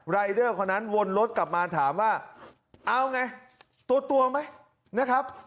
รายเดอร์คนนั้นวนรถกลับมาถามว่าเอาไงตัวตัวไหมนะครับ